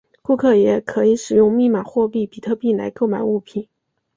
顾客也可以使用密码货币比特币来购买物品。